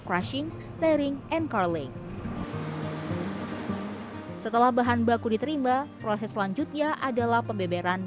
crushing tearing and curling setelah bahan baku diterima proses selanjutnya adalah pembeberan